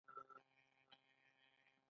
په غلامي نظام کې هم داسې اقشار موجود وو.